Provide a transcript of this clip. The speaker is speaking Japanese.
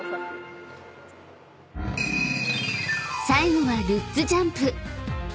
［最後はルッツジャンプ］